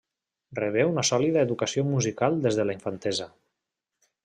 Rebé una sòlida educació musical des de la infantesa.